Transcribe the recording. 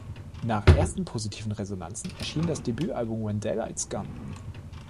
Nach ersten positiven Resonanzen erschien das Debütalbum "When Daylight’s Gone".